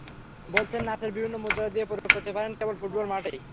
বলেছেন, নাচের বিভিন্ন মুদ্রা তিনি প্রয়োগ করতে পারেন কেবল ফুটবল মাঠেই।